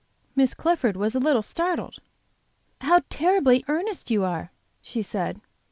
Miss Clifford was a little startled. "How terribly in earnest you are!" she said.